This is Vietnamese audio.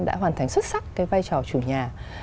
đã hoàn thành xuất sắc cái vai trò chủ nhà